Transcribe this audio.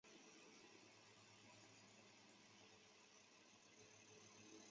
菲尔布里克米尔是位于美国加利福尼亚州门多西诺县的一个非建制地区。